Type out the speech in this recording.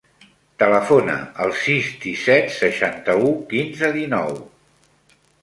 Telefona al sis, disset, seixanta-u, quinze, dinou.